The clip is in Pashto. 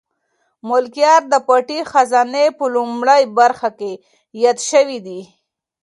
ملکیار د پټې خزانې په لومړۍ برخه کې یاد شوی دی.